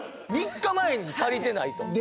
３日前に足りてないと。